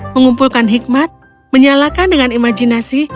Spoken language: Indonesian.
mengumpulkan hikmat menyalakan dengan imajinasi